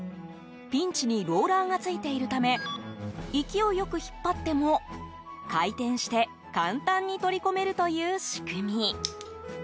ピンチにローラーが付いているため勢いよく引っ張っても回転して簡単に取り込めるという仕組み。